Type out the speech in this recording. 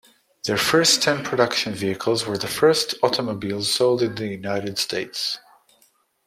Their first ten production vehicles were the first automobiles sold in the United States.